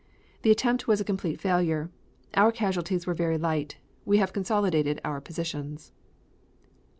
The attempt was a complete failure. Our casualties were very light. We have consolidated our positions."